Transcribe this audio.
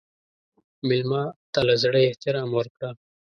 مېلمه ته له زړه احترام ورکړه.